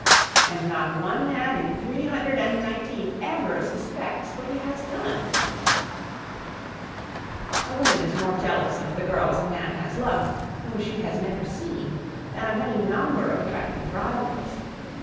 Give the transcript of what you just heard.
And not one man in three hundred and nineteen ever suspects what he has done! [Sidenote: The Thought of Defection] A woman is more jealous of the girls a man has loved, whom she has never seen, than of any number of attractive rivals.